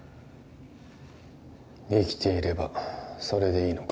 生きていればそれでいいのか？